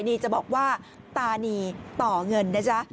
นี่จะบอกว่าตานีต่อเงินนะจ๊ะ